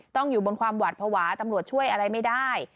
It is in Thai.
อยู่บนความหวาดภาวะตำรวจช่วยอะไรไม่ได้